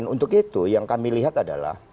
untuk itu yang kami lihat adalah